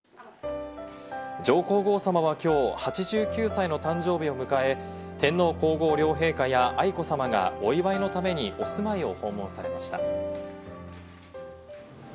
上皇后さまはきょう８９歳の誕生日を迎え、天皇皇后両陛下や愛子さまがお祝いのためにお住まいを訪問されました。